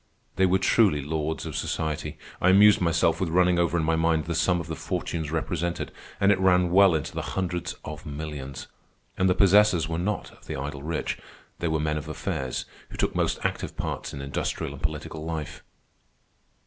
They were truly lords of society. I amused myself with running over in my mind the sum of the fortunes represented, and it ran well into the hundreds of millions. And the possessors were not of the idle rich. They were men of affairs who took most active parts in industrial and political life.